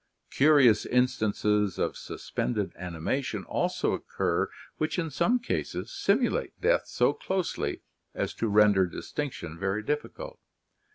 Curious instances of suspended animation also occur which in some cases simulate death so closely as to render distinction very difficult.